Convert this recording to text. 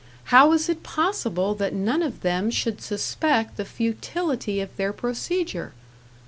How is it possible that none of them should suspect the futility of their procedure?